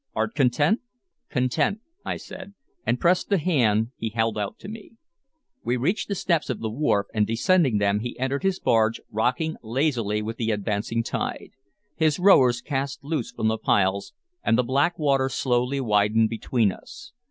Art content?" "Content," I said, and pressed the hand he held out to me. We reached the steps of the wharf, and descending them he entered his barge, rocking lazily with the advancing tide. His rowers cast loose from the piles, and the black water slowly widened between us.